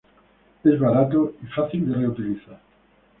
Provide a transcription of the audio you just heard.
Es barato y fácil de reutilizar.